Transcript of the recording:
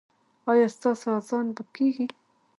ایا ستاسو اذان به کیږي؟